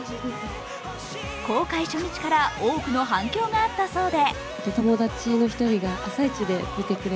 公開初日から多くの反響があったそうで。